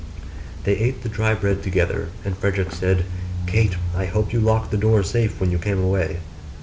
They ate the dry bread together; and Frederick said, 'Kate, I hope you locked the door safe when you came away.